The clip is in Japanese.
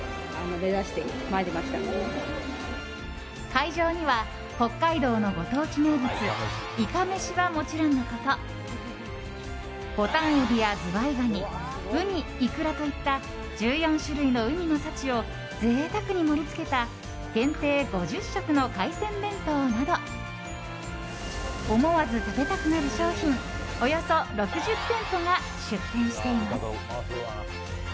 会場には、北海道のご当地名物いかめしはもちろんのことボタンエビやズワイガニウニ、イクラといった１４種類の海の幸を贅沢に盛り付けた限定５０食の海鮮弁当など思わず食べたくなる商品およそ６０店舗が出店しています。